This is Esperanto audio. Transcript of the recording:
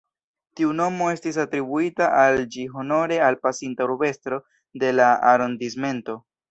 Tiu nomo estis atribuita al ĝi honore al pasinta urbestro de la arondismento.